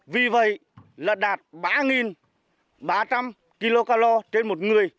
vì vậy là đạt ba ba trăm linh kg calor trên một người